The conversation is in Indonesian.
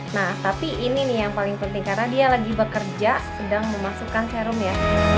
nah tapi ini nih yang paling penting karena dia lagi bekerja sedang memasukkan serum ya